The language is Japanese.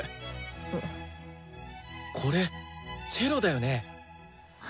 これチェロだよね？